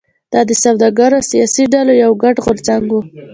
دا د سوداګرو او سیاسي ډلو یو ګډ غورځنګ و.